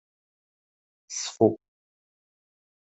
Ṣfu.